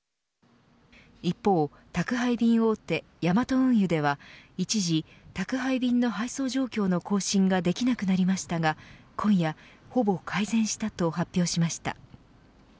一方、宅配便大手ヤマト運輸では一時、宅配便の配送状況の更新ができなくなりましたが今夜ほぼ改善したと発表しました。